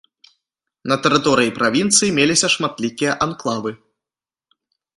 На тэрыторыі правінцыі меліся шматлікія анклавы.